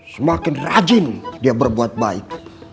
semakin rajin dia berbuat baik